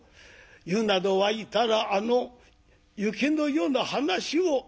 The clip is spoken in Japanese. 湯など沸いたらあの雪の夜の話を」。